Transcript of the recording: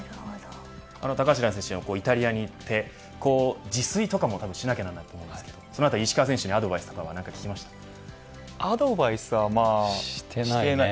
高橋藍選手、イタリアに行って自炊とかもしなきゃならないと思うんですけれど石川選手にアドバイスとかアドバイスはしてない。